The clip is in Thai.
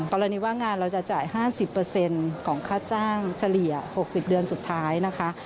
กรณีว่างานเราจะจ่าย๕๐ของค่าจ้างเฉลี่ย๖๐เดือนสุดท้ายนะคะ